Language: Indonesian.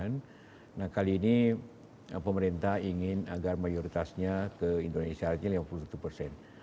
nah kali ini pemerintah ingin agar mayoritasnya ke indonesia artinya lima puluh satu persen